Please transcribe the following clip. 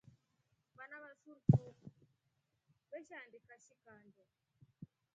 Vana va sufru veshaandika shi kande.